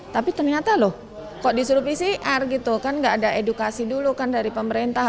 tapi ternyata loh kok disuruh pcr gitu kan nggak ada edukasi dulu kan dari pemerintah